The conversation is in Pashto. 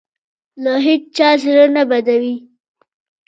له هېچا زړه نه بدوي.